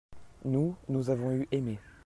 nous, nous avons eu aimé.